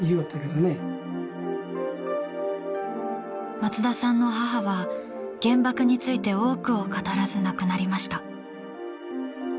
松田さんの母は原爆について多くを語らず亡くなりました。